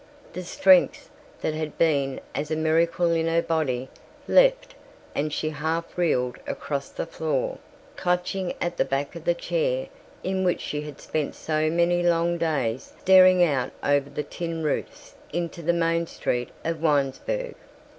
The strength that had been as a miracle in her body left and she half reeled across the floor, clutching at the back of the chair in which she had spent so many long days staring out over the tin roofs into the main street of Winesburg.